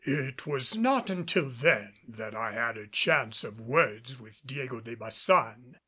It was not until then that I had a chance for words with Diego de Baçan.